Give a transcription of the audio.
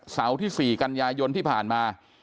ที่๔กันยายนที่ผ่านมา